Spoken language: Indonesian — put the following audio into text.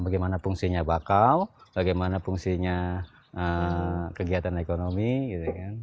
bagaimana fungsinya bakau bagaimana fungsinya kegiatan ekonomi gitu kan